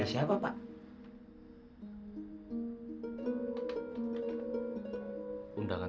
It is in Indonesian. ini mas ada surat undangan